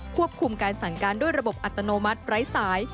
ควบคุมการสั่งการด้วยระบบอัตโนมัติไร้สาย